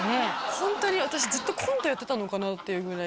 ホントに私ずっとコントやってたのかなってぐらい